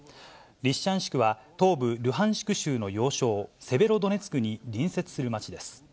リシチャンシクは、東部ルハンシク州の要衝セベロドネツクに隣接する町です。